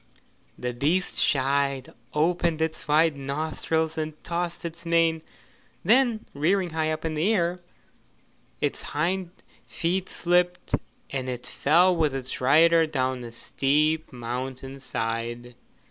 The beast shied, opened its wide nostrils and tossed its mane, then rearing high up in the air, its hind feet slipped and it fell with its rider down the steep mountain side.